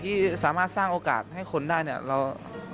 ที่สามารถสร้างโอกาสให้คนได้เนี่ย